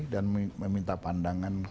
dan meminta pandangan